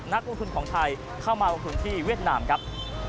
นักลงทุนของไทยเข้ามาลงทุนที่เวียดนามครับ